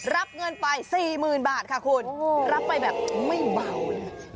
รับเงินไปสี่หมื่นบาทค่ะคุณรับไปแบบไม่เบาเลย